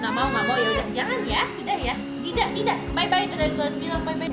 ngomong ngomong yaudah jangan ya sudah ya tidak tidak bye bye dan